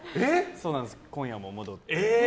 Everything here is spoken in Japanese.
そうなんです、今夜も戻って。